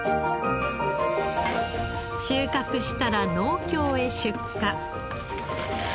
収穫したら農協へ出荷。